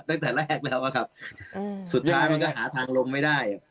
ตั้งแต่แรกแล้วอะครับสุดท้ายมันก็หาทางลงไม่ได้